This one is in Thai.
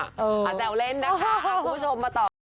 อาจจะเอาเล่นนะคะขอบคุณผู้ชมมาต่อ